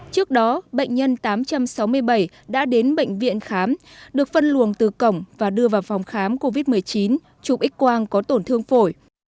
trước đó bệnh nhân tám trăm sáu mươi bảy đã đến bệnh viện khám được phân luồng từ cổng và đưa vào phòng khám covid một mươi chín chụp x quang có tổn thương phổi